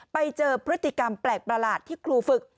ไปเจอพฤติกรรมแปลกประหลาดที่ครูฝึก